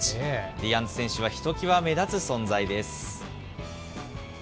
ディアンズ選手はひときわ目立つ存在です。